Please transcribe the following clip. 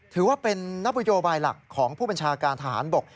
ถือว่าเป็นนโยบายหลักของผู้บัญชาการทหารบก